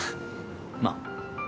まあ。